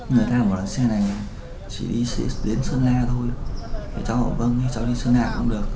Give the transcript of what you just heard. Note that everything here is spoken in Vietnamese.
người ta hỏi xe này chỉ đi đến sơn la thôi cháu hỏi vâng cháu đi sơn hà cũng được